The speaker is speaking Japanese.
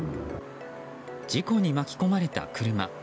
事故に巻き込まれた車。